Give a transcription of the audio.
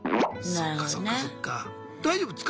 そっかそっかそっか。